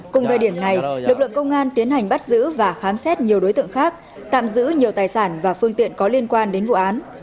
cùng thời điểm này lực lượng công an tiến hành bắt giữ và khám xét nhiều đối tượng khác tạm giữ nhiều tài sản và phương tiện có liên quan đến vụ án